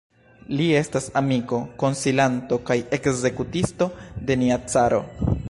Li estas amiko, konsilanto kaj ekzekutisto de nia caro.